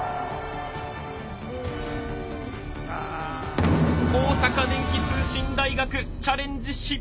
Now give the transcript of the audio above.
大阪電気通信大学チャレンジ失敗です。